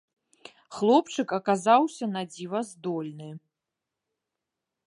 Хлопчык аказаўся надзіва здольны.